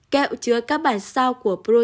kẹo chứa các bản sao của virus